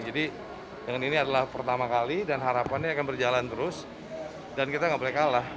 jadi dengan ini adalah pertama kali dan harapannya akan berjalan terus dan kita gak boleh kalah